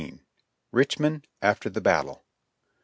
RICHMOND AFTER THE BATTI^E.